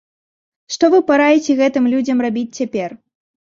Што вы параіце гэтым людзям рабіць цяпер?